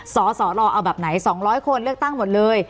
สสลเอาแบบไหน๒๐๐คนเลือกตั้งหมดเลย